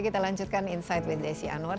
kita lanjutkan insight with desi anwar